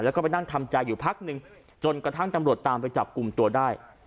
แล้วก็ไปนั่งทำใจอยู่พักหนึ่งจนกระทั่งตำรวจตามไปจับกลุ่มตัวได้